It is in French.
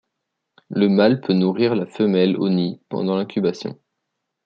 Le mâle peut nourrir la femelle au nid pendant l'incubation.